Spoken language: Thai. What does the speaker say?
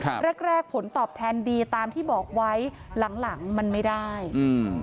แรกแรกผลตอบแทนดีตามที่บอกไว้หลังหลังมันไม่ได้อืม